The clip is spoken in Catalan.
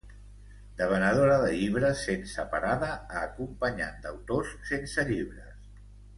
De venedora de llibres sense parada a acompanyant d'autors sense llibres.